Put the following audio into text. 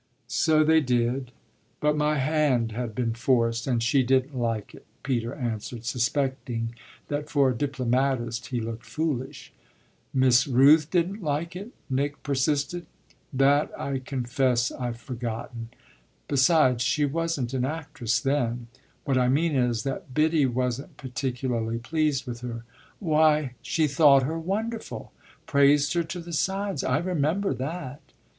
"So they did, but my hand had been forced and she didn't like it," Peter answered, suspecting that for a diplomatist he looked foolish. "Miss Rooth didn't like it?" Nick persisted. "That I confess I've forgotten. Besides, she wasn't an actress then. What I mean is that Biddy wasn't particularly pleased with her." "Why she thought her wonderful praised her to the sides. I remember that."